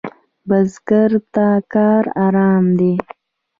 بزګر ته کار آرام دی